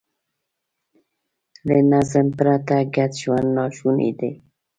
له نظم پرته ګډ ژوند ناشونی دی.